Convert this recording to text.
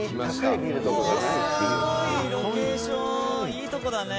いいとこだね。